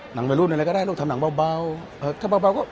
หนังวัยรุ่นอะไรก็ได้ลูกทำหนังเบาถ้าเบาก็